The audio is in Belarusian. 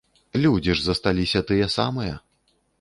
Людзі ж засталіся тыя самыя!